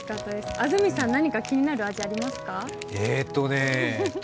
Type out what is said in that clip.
安住さん、何か気になる味ありますか。